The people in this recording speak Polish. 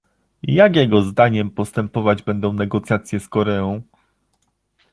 jak jego zdaniem postępować będą negocjacje z Koreą?